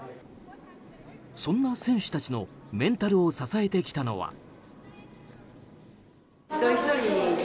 そんな選手たちのメンタルを支えてきたのは。